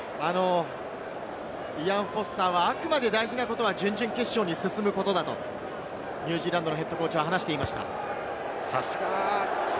イアン・フォスターはあくまで大事なことは準々決勝に進むことだとニュージーランドのＨＣは話していました。